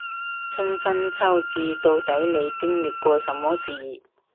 春分秋至，到底你經過什麼事